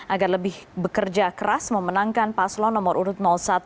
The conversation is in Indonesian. agar lebih bekerja keras memenangkan paslon nomor urut satu